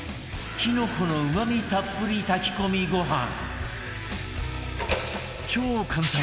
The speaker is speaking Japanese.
きのこのうまみたっぷり炊き込みご飯